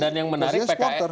dan yang menarik pks dan pan